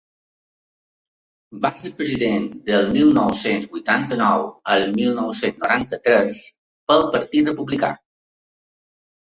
Va ser president del mil nou-cents vuitanta-nou al mil nou-cents noranta-tres pel partit republicà.